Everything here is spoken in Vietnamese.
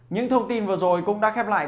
những thông tin vừa rồi cũng đã khép lại